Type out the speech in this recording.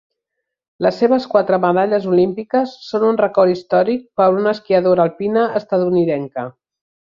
Les seves quatre medalles olímpiques són un rècord històric per a una esquiadora alpina estatunidenca.